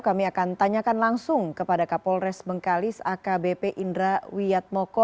kami akan tanyakan langsung kepada kapolres bengkalis akbp indra wiyatmoko